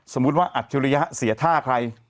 สมมุติว่าอัจฉริยะเสียท่าใคร